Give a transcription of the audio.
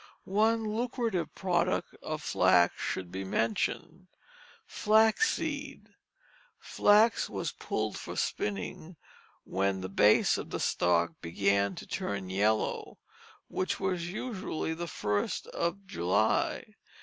One lucrative product of flax should be mentioned flaxseed. Flax was pulled for spinning when the base of the stalk began to turn yellow, which was usually the first of July.